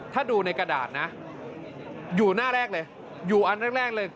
ถ้าดูในกระดาษนะอยู่หน้าแรกเลยอยู่อันแรกเลย